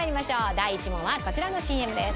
第１問はこちらのＣＭです。